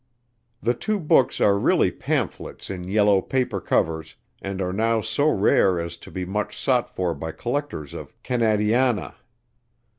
The two books are really pamphlets in yellow paper covers, and are now so rare as to be much sought for by collectors of "Canadiana."